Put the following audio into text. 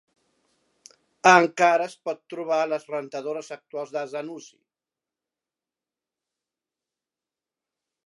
Encara es pot trobar a les rentadores actuals de Zanussi.